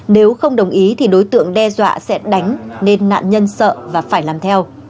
nếu không đồng ý thì đối tượng đe dọa sẽ đánh nên nạn nhân sợ và phải làm theo